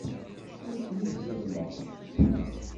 Ur ten-id-zeddmeɣ.